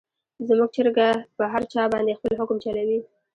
زموږ چرګه په هر چا باندې خپل حکم چلوي.